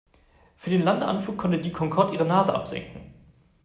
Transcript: Für den Landeanflug konnte die Concorde ihre Nase absenken.